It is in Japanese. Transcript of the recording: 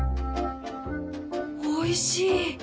おいしい。